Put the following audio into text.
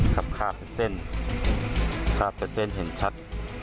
ขาดเส้นเห็นชัด